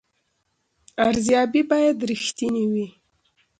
ارزیابي باید رښتینې وي